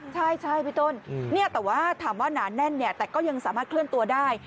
ใช่พี่ต้นแต่ว่าถามว่าหนาแน่นเนี่ยแต่ก็ยังสามารถเคลื่อนตัวได้